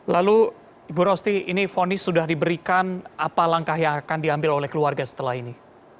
lalu ibu rosti ini fonis sudah diberikan apa langkah yang akan diambil oleh keluarga setelah ini